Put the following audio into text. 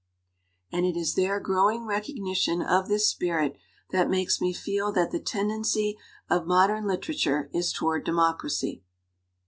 And it is their growing recognition of this spirit that makes me feel that the tendency of modern literature is toward de mocracy."